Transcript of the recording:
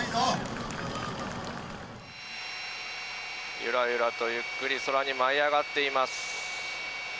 ゆらゆらと、ゆっくり空に舞い上がっています。